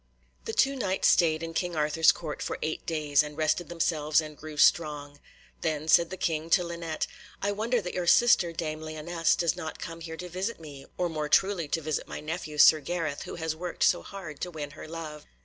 The two Knights stayed in King Arthur's Court for eight days, and rested themselves and grew strong. Then said the King to Linet, "I wonder that your sister, dame Lyonesse, does not come here to visit me, or more truly to visit my nephew, Sir Gareth, who has worked so hard to win her love."